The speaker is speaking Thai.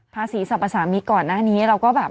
ภาษีสรรพสามิตก่อนหน้านี้เราก็แบบ